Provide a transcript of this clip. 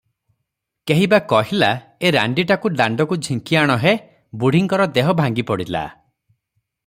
କେହି ବା କହିଲା "ଏ ରାଣ୍ଡିଟାକୁ ଦାଣ୍ଡକୁ ଝିଙ୍କି ଆଣ ହେ?" ବୁଢ଼ୀଙ୍କର ଦେହ ଭାଙ୍ଗିପଡ଼ିଲା ।